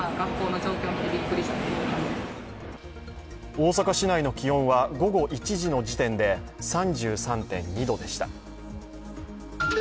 大阪市内の気温は午後１時の時点で３３．２度でした。